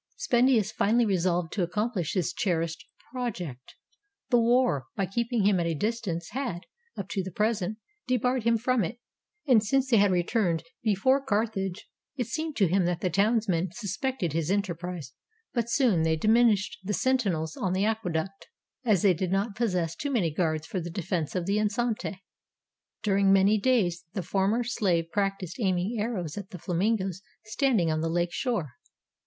Spendius finally resolved to accomplish his cherished project. The war, by keeping him at a distance, had, up to the present, debarred him from it; and since they had re turned before Carthage, it seemed to him that the towns men suspected his enterprise; but soon they diminished 283 NORTHERN AFRICA the sentinels on the aqueduct, as they did not possess too many guards for the defense of the enceinte. During many days the former slave practiced aiming arrows at the flamingoes standing on the lake shore.